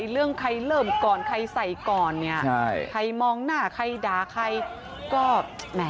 เรื่องใครเลิ่มก่อนใครใส่ก่อนใครมองหน้าใครด่าใคร